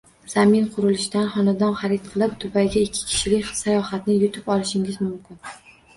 Zamin Qurilish'dan xonadon xarid qilib, Dubayga ikki kishilik sayohatni yutib olishingiz mumkin!